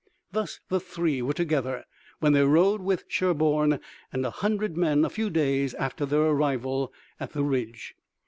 Thus the three were together when they rode with Sherburne and a hundred men a few days after their arrival at the ridge.